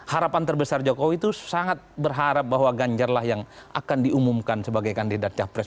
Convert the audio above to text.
harapan terbesar jokowi itu sangat berharap bahwa ganjar lah yang akan diumumkan sebagai kandidat capres